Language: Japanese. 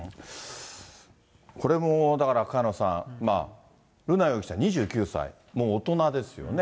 これも、だから、萱野さん、瑠奈容疑者２９歳、もう大人ですよね。